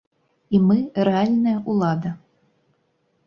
І мы рэальная ўлада.